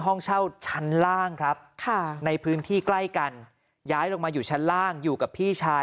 ห้องเช่าชั้นล่างครับในพื้นที่ใกล้กันย้ายลงมาอยู่ชั้นล่างอยู่กับพี่ชาย